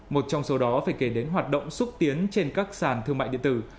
một trong số đó phải kể đến hoạt động xúc tiến trên các sàn thương mại điện tử